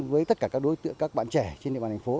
với tất cả các đối tượng các bạn trẻ trên địa bàn thành phố